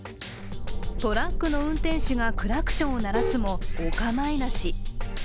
トラックの運転手がクラクションを鳴らすも、お構いなし。